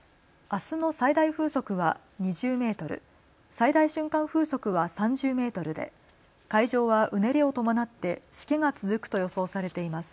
あすの最大風速は２０メートル、最大瞬間風速は３０メートルで海上はうねりを伴ってしけが続くと予想されています。